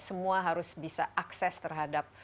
semua harus bisa akses terhadap